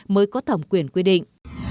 mới có thẩm quyền quy định